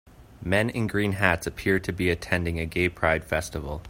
Men in green hats appear to be attending a gay pride festival.